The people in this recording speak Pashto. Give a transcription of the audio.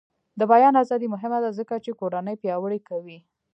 د بیان ازادي مهمه ده ځکه چې کورنۍ پیاوړې کوي.